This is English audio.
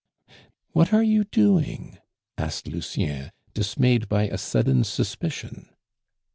"What are you doing?" asked Lucien, dismayed by a sudden suspicion.